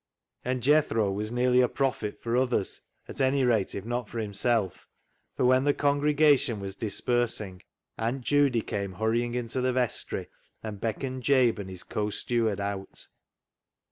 And Jethro was nearly a prophet for others, at anyrate, if not for himself, for when the congregation was dispersing Aunt Judy came hurrying into the vestry and beckoned Jabe and his co steward out.